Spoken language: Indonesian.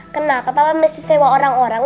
kenapa papa mesti sewa orang orang